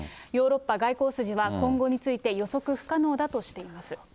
ヨーロッパ外交筋は、今後について予測不可能だとしています。